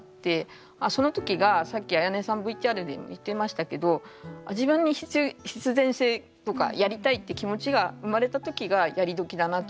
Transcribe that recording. その時がさっきあやねさんＶＴＲでも言ってましたけど自分に必然性とかやりたいって気持ちが生まれた時がやりどきだなと思ってて。